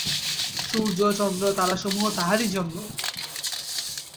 সূর্য, চন্দ্র, তারাসমূহ তাহারই জন্য।